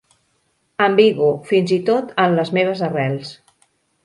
Ambigu, fins i tot en les meves arrels.